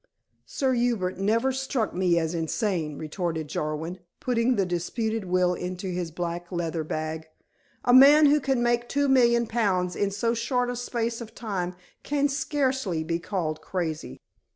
"Sir Hubert never struck me as insane," retorted Jarwin, putting the disputed will into his black leather bag. "A man who can make two million pounds in so short a space of time can scarcely be called crazy."